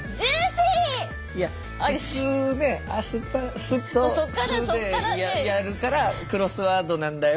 いや普通ね「ス」と「ス」でやるからクロスワードなんだよ。